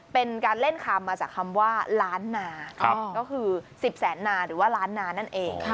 เป็นการเล่นคามมาจากคำว่าล้านนาก็คือ๑๐แสนนาหรือว่าล้านนานั่นเอง